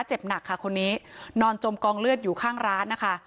เจ็บหนักค่ะคนนี้นอนจมกองเลือดอยู่ข้างร้านนะคะ